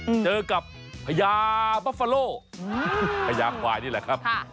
เมื่อกับพญาปัฟฟาโล่พญาควายนี่แหละครับ